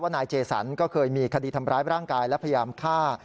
นายเจสันก็เคยมีคดีทำร้ายร่างกายและพยายามฆ่า